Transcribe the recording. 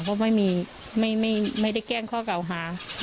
ก็ไม่ได้แจ้งข้อเก่าหา